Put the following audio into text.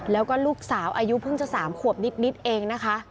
แล้วก็ลูกสาวอายุเพิ่งจะ๓ขวบนิดเองนะคะ